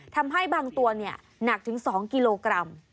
ทำให้บางตัวหนักถึง๒กิโลกรัม